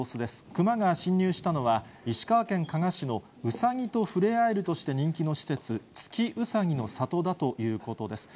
クマが侵入したのは、石川県加賀市の、ウサギと触れ合えるとして人気の施設、月うさぎの里だということです。